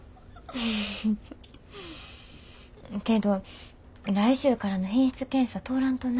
けど来週からの品質検査通らんとな。